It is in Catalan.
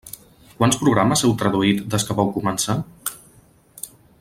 Quants programes heu traduït des que vau començar?